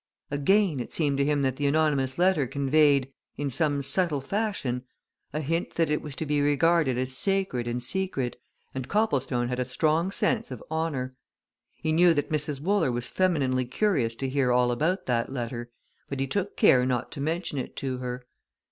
Again, it seemed to him that the anonymous letter conveyed, in some subtle fashion, a hint that it was to be regarded as sacred and secret, and Copplestone had a strong sense of honour. He knew that Mrs. Wooler was femininely curious to hear all about that letter, but he took care not to mention it to her.